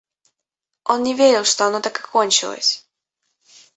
Он не верил, что оно так и кончилось!